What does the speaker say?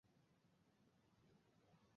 বিভিন্ন অনুসিদ্ধান্তমূলক তদন্তও চলছে এবং চলছে।